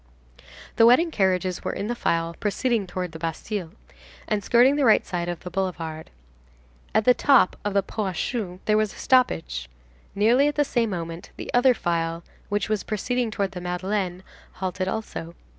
The wedding carriages were in the file proceeding towards the Bastille, and skirting the right side of the Boulevard. At the top of the Pont aux Choux, there was a stoppage. Nearly at the same moment, the other file, which was proceeding towards the Madeleine, halted also.